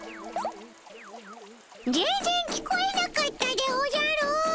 全然聞こえなかったでおじゃる。